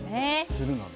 するのね。